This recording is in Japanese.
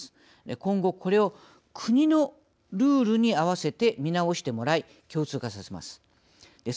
今後これを国のルールに合わせて見直してもらい共通化させます。